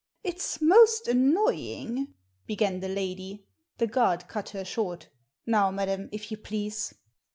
" It's most annoying " began the lady. The guard cut her short " Now, madam, if you please